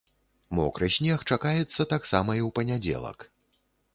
Мокры снег чакаецца таксама і ў панядзелак.